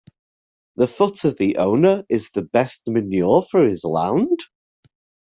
The foot of the owner is the best manure for his land.